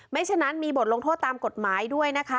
ฉะนั้นมีบทลงโทษตามกฎหมายด้วยนะคะ